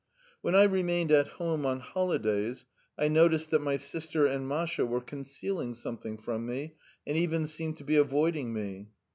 When I was at home on holidays I noticed that my wife and sister were hiding something from me and even seemed to be avoiding me.